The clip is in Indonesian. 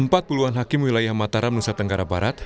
empat puluhan hakim wilayah mataram nusa tenggara barat